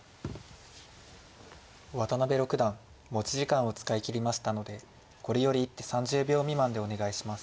渡辺六段持ち時間を使い切りましたのでこれより一手３０秒未満でお願いします。